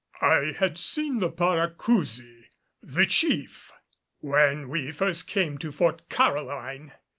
I had seen the Paracousi the "Chief," when we first came to Fort Caroline.